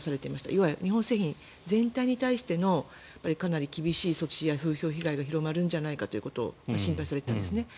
要は日本製品全体に対しての厳しい措置や風評被害が広まるんじゃないかということを心配されているんですね。